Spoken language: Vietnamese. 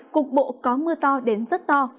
cục bộ có mưa to đến rất to